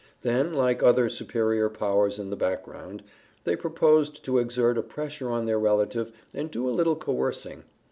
Then, like other superior powers in the background, they proposed to exert a pressure on their relative and do a little coercing.